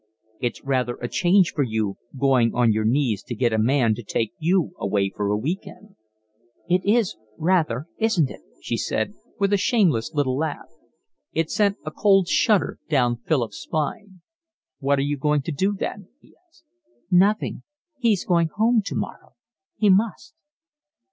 "It's rather a change for you going on your knees to get a man to take you away for a week end." "It is rather, isn't it?" she said, with a shameless little laugh. It sent a cold shudder down Philip's spine. "What are you going to do then?" he asked. "Nothing. He's going home tomorrow. He must."